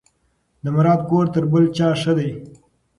د مراد کور تر بل چا ښه دی.